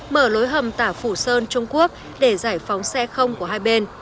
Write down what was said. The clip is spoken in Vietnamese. mở lối hầm tả phủ sơn trung quốc để giải phóng xe không của hai bên